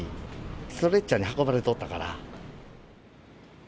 ストレッチャーで運ばれとったから。